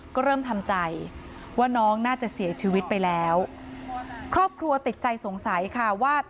ก็เริ่มทำใจว่าน้องน่าจะเสียชีวิตไปแล้วครอบครัวติดใจสงสัยค่ะว่า